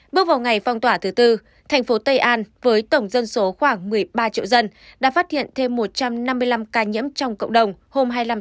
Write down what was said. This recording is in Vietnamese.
bước vào ngày phong tỏa thứ tư thành phố tây an với tổng dân số khoảng một mươi ba triệu dân đã phát hiện thêm một trăm năm mươi năm ca nhiễm trong cộng đồng hôm hai mươi năm tháng tám